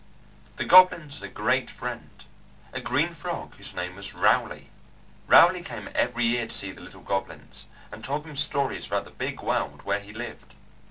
The goblins had a great friend a green frog whose name was Rowley. Rowley came every year to see the little goblins, and told them stories about the Big World where he lived.